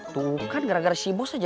tuh kan gara gara si bos aja